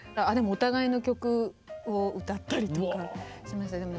お互いの曲を歌ったりとかしました。